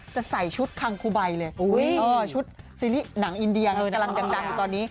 จะใส่ชุดคังคูใบเลยชุดซีรีส์หนังอินเดียกำลังดังอยู่ตอนนี้